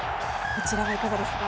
こちらもいかがですか？